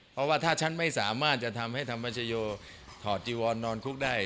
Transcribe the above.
เพราะว่าถ้าฉันไม่สามารถจะทำให้ธรรมชโยถอดจีวอนนอนคุกได้